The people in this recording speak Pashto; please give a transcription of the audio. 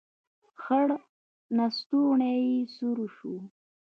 خړ لستوڼی يې سور شو.